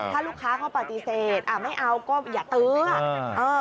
ถ้าลูกค้าเขาปฏิเสธไม่เอาก็อย่าตื้อ